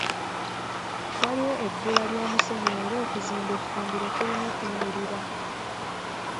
Waliwo ebbula ly'omusenyu era okuzimba effumbiro kulina okuyimirira.